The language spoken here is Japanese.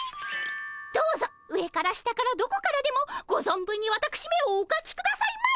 どうぞ上から下からどこからでもご存分にわたくしめをおかきくださいま。